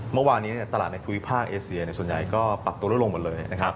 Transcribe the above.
เมื่อวานนี้ตลาดในภูมิภาคเอเซียส่วนใหญ่ก็ปรับตัวลดลงหมดเลยนะครับ